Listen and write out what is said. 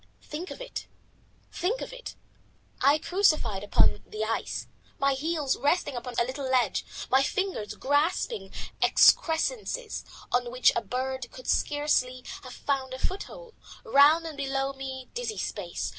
Think of it! Think of it! I crucified upon the ice, my heels resting upon a little ledge; my fingers grasping excrescences on which a bird could scarcely have found a foothold; round and below me dizzy space.